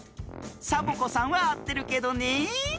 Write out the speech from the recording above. サボ子さんはあってるけどねえ。